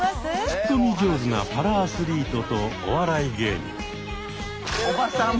ツッコミ上手なパラアスリートとお笑い芸人。